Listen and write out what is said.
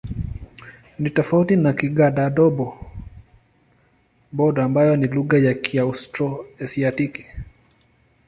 Ni tofauti na Kigadaba-Bodo ambayo ni lugha ya Kiaustro-Asiatiki.